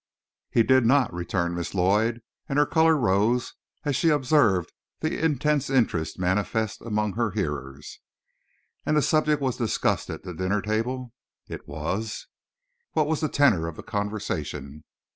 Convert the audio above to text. "He did not," returned Miss Lloyd, and her color rose as she observed the intense interest manifest among her hearers. "And the subject was discussed at the dinner table?" "It was." "What was the tenor of the conversation?"